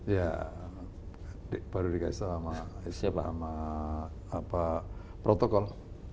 ya baru dikasih tahu sama protokol